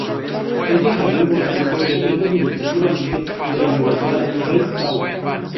Este jardín botánico depende administrativamente de la Universidad Rey Saud.